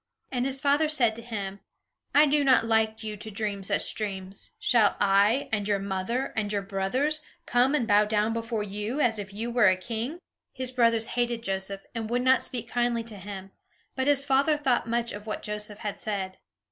And his father said to him, "I do not like you to dream such dreams. Shall I, and your mother, and your brothers, come and bow down before you as if you were a king?" His brothers hated Joseph, and would not speak kindly to him; but his father thought much of what Joseph had said.